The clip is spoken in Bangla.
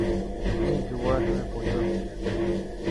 তিনি “যুবরাজ” নামে পরিচিত ছিলেন।